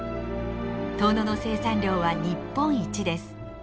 遠野の生産量は日本一です。